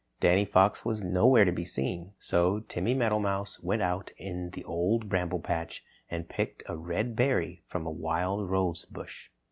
Danny Fox was nowhere to be seen. So Timmy Meadowmouse went out in the Old Bramble Patch and picked a red berry from a wild rose bush.